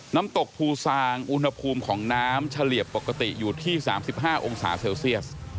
น้ำตกภูซางอุณหภูมิของน้ำเฉลี่ยปกติอยู่ที่๓๕องศาเซลเซียส